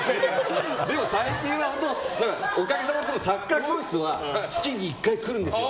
でも最近は、おかげさまでサッカー教室は月に１回来るんですよ。